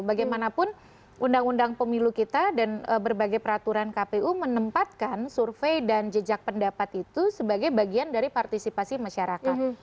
bagaimanapun undang undang pemilu kita dan berbagai peraturan kpu menempatkan survei dan jejak pendapat itu sebagai bagian dari partisipasi masyarakat